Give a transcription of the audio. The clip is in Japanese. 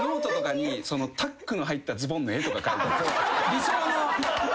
理想の。